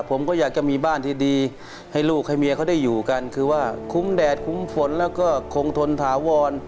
ผมก็อยากจะมีบ้านที่ดีให้ลูกให้เมียเขาได้อยู่กันคือว่าคุ้มแดดคุ้มฝนแล้วก็คงทนถาวร